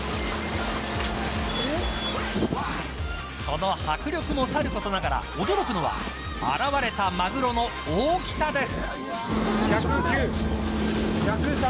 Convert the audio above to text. その迫力もさることながら驚くのは現れたマグロの大きさです。